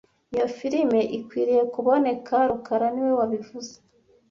Iyo firime ikwiriye kuboneka rukara niwe wabivuze